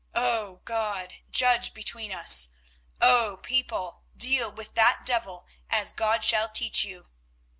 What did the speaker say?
O God, judge between us. O people, deal with that devil as God shall teach you.